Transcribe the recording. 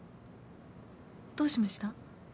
どうしました？